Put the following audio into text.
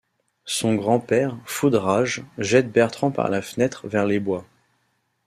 Son grand-père, fou de rage, jette Bertrand par la fenêtre, vers les bois.